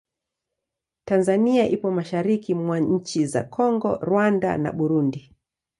Tanzania ipo mashariki mwa nchi za Kongo, Rwanda na Burundi.